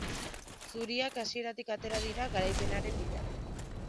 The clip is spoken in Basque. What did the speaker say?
Zuriak hasieratik atera dira garaipenaren bila.